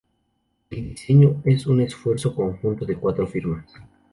El diseño es un esfuerzo conjunto de cuatro firmas.